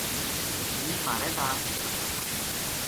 بھی مھارے تا رسو سٹینے